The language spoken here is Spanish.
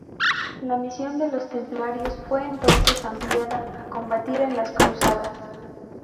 La misión de los templarios fue entonces ampliada a combatir en las cruzadas.